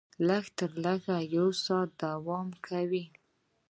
لږ تر لږه یو ساعت دوام کوي.